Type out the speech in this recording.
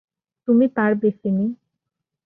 তুমি পারবে, ফিনি।